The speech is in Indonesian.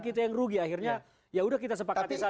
kita yang rugi akhirnya yaudah kita sepakati saja